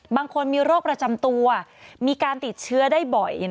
บางคนมีโรคประจำตัวมีการติดเชื้อได้บ่อย